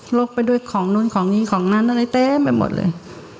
ลกไปด้วยของนู้นของนี้ของนั้นอะไรเต็มไปหมดเลย